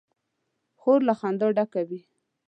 خور له خندا ډکه وي.